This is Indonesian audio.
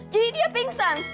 jadi dia pingsan